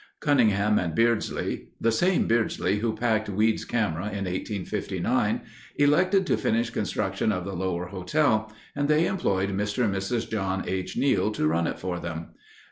Cunningham and Beardsley, the same Beardsley who packed Weed's camera in 1859, elected to finish construction of the Lower Hotel, and they employed Mr. and Mrs. John H. Neal to run it for them.